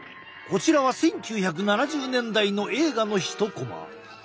こちらは１９７０年代の映画の一コマ。